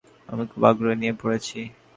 আমি খুব আগ্রহ নিয়ে পড়েছি।